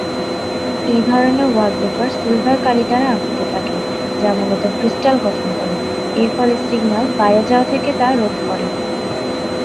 এই ধরনের wallpaper silver কালি দ্বারা আবৃত থাকে; যা মুলত ক্রিস্টাল গঠন করে; এরফলে সিগন্যাল বাইরে যাওয়াকে তা রোধ করে।